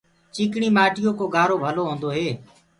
چيڪڻي مآٽيو ڪو گآرو ڀلو هوندو هي۔